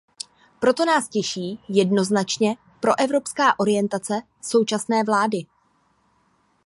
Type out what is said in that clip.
Proto nás těší jednoznačně proevropská orientace současné vlády.